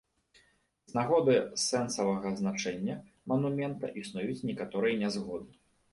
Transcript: З нагоды сэнсавага значэння манумента існуюць некаторыя нязгоды.